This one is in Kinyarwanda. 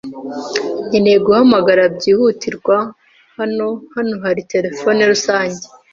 Nkeneye guhamagara byihutirwa. Hano hano hari terefone rusange?